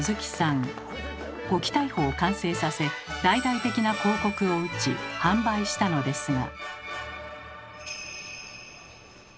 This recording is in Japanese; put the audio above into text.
「ゴキ逮捕！」を完成させ大々的な広告を打ち販売したのですが。